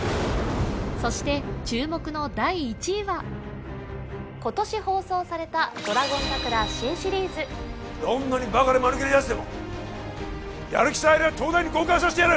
そして注目の第１位は今年放送された「ドラゴン桜」新シリーズどんなにバカでマヌケなヤツでもやる気さえあれば東大に合格させてやる！